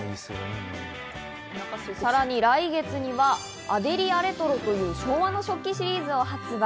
さらに来月にはアデリアレトロという昭和の初期シリーズを発売。